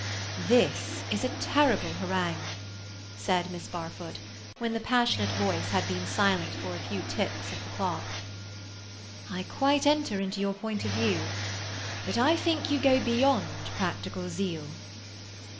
"This is a terrible harangue," said Miss Barfoot, when the passionate voice had been silent for a few ticks of the clock. "I quite enter into your point of view, but I think you go beyond practical zeal.